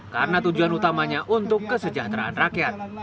karena tujuan utamanya untuk kesejahteraan rakyat